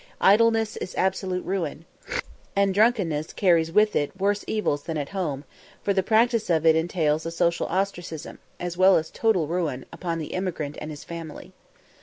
Idleness is absolute ruin, and drunkenness carries with it worse evils than at home, for the practice of it entails a social ostracism, as well as total ruin, upon the emigrant and his family.